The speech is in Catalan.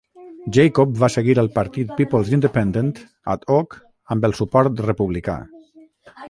Jacob va seguir el partit "People's Independent" "ad hoc" amb el suport republicà.